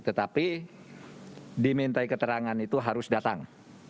tetapi dimintai keterangan itu harus datang